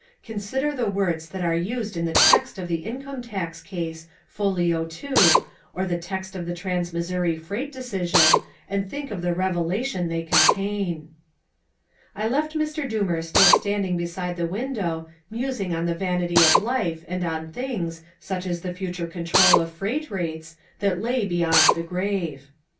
Consider the words that are used in the text of the Income Tax Case, Folio Two, or the text of the Trans Missouri Freight Decision, and think of the revelation they contain." I left Mr. Doomer still standing beside the window, musing on the vanity of life and on things, such as the future control of freight rates, that lay beyond the grave.